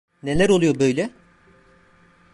Neler oluyor böyle?